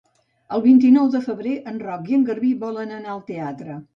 El vint-i-nou de febrer en Roc i en Garbí volen anar al teatre.